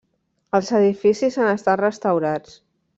Els edificis han estat restaurats.